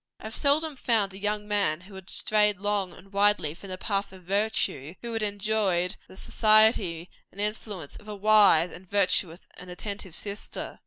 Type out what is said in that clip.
I have seldom found a young man who had strayed long and widely from the path of virtue, who had enjoyed the society and influence of a wise, and virtuous, and attentive sister.